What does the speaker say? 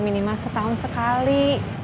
minima setahun sekali